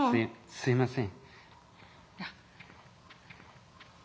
すいません。